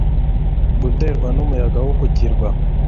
guterwa n'umuyaga wo ku kirwa